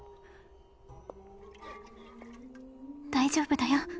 大丈夫よ。